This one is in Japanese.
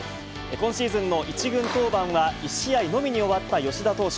今シーズンの１軍登板は１試合のみに終わった吉田投手。